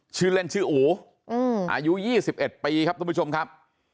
ชื่อเล่นชื่ออูอายุ๒๑ปีครับทุกผู้ชมครับ